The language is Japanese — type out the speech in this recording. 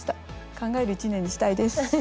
考える一年にしたいです。